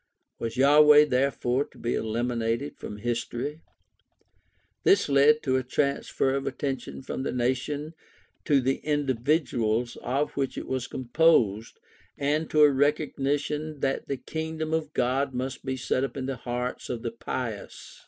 Was Yahweh therefore to be eliminated from history ? This led to a transfer of attention from the nation to the individuals of which it was composed, and to a recognition that the Kingdom of God must be set up in the hearts of the pious.